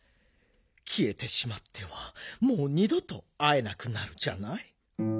きえてしまってはもうにどとあえなくなるじゃない。